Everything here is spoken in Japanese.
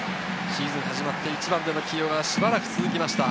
シーズン始まって１番での起用がしばらく続きました。